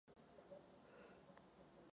Je znám jako vynálezce motocyklu.